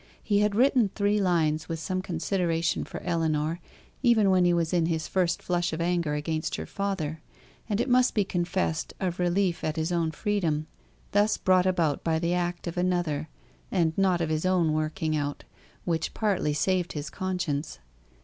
He had written three lines with some consideration for Ellinor, even when he was in his first flush of anger against her father, and it must be confessed of relief at his own freedom, thus brought about by the act of another, and not of his own working out, which partly saved his conscience.